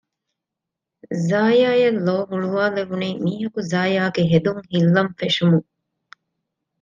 ޒާޔާއަށް ލޯހުޅުވާލެވުނީ މީހަކު ޒާޔާގެ ހެދުން ހިއްލަން ފެށުމުން